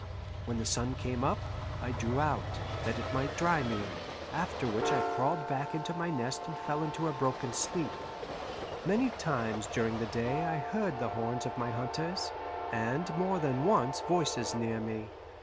When the sun came up, I drew out, that it might dry me; after which I crawled back into my nest and fell into a broken sleep. Many times during the day I heard the horns of my hunters, and more than once voices near me.